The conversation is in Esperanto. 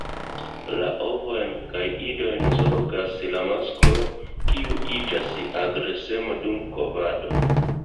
La ovojn kaj idojn zorgas la masklo, kiu iĝas agresema dum kovado.